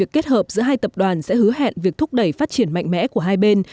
kết hợp giữa hai tập đoàn sẽ hứa hẹn việc thúc đẩy phát triển mạnh mẽ của hai bên